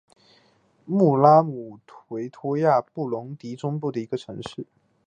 穆拉姆维亚位于布隆迪中部的一座城市。